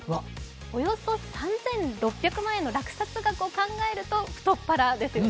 およそ３６００万円の落札額を考えると太っ腹ですよね。